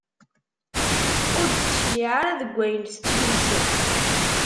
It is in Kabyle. Ur d-tecliε ara deg ayen tettlus.